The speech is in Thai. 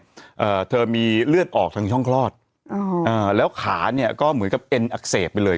เอ่อเธอมีเลือดออกทางช่องคลอดอ่าแล้วขาเนี้ยก็เหมือนกับเอ็นอักเสบไปเลย